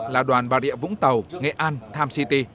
là đoàn bà rịa vũng tàu nghệ an tham city